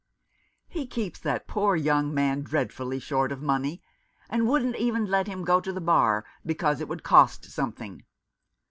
" He keeps that poor young man dreadfully short of money, and wouldn't even let him go to the Bar, because it would cost something.